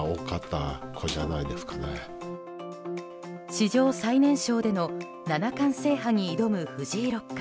史上最年少での七冠制覇に挑む藤井六冠。